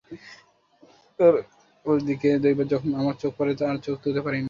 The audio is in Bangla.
ওর দিকে দৈবাৎ যখন আমার চোখ পড়ে আর চোখ তুলতে পারি নে।